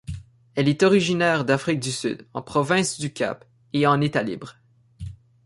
Elle est originaire d'Afrique du Sud, en Province du Cap et en État-Libre.